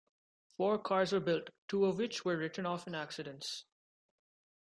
Four cars were built, two of which were written off in accidents.